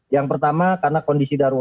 yang pertama karena kondisi